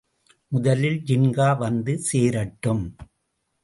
முதலில் ஜின்கா வந்து சேரட்டும்.